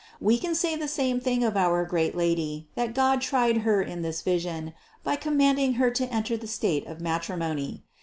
We can say the same thing of our great Lady, that God tried Her in this vision, by commanding Her to enter the state of matrimony.